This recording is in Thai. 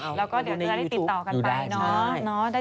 แล้วก็ได้ติดต่อกันไปเนอะอยู่ได้